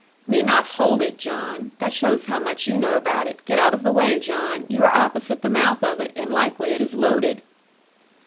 'Me not hold it, John! That shows how much you know about it. Get out of the way, John; you are opposite the mouth of it, and likely it is loaded.'